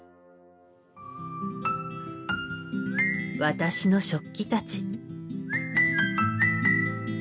私の食器たち。